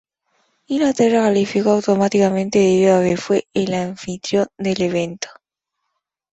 Inglaterra calificó automáticamente debido a que fue el anfitrión del evento.